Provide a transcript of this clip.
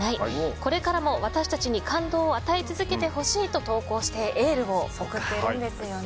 これからも私たちに感動を与え続けてほしいと投稿してエールを送っているんですよね。